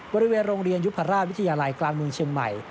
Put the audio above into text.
บริเวณโรงเรียนยุพราชวิทยาลัยกลางเมืองเชียงใหม่